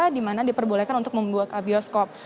di mana diperbolehkan untuk membuat bioskop